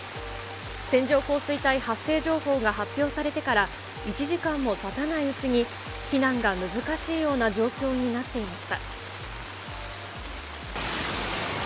線状降水帯発生情報が発表されてから、１時間もたたないうちに避難が難しいような状況になっていました。